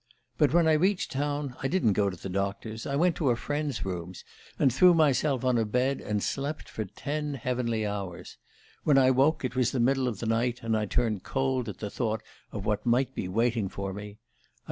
But when I reached town I didn't go to the doctor's. I went to a friend's rooms, and threw myself on a bed, and slept for ten heavenly hours. When I woke it was the middle of the night, and I turned cold at the thought of what might be waiting for me.